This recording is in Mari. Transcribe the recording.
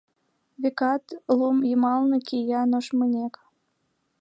Векат, лум йымалне кия нӧшмынек.